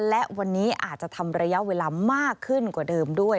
และวันนี้อาจจะทำระยะเวลามากขึ้นกว่าเดิมด้วย